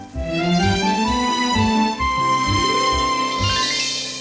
kau akan dapat ganjaran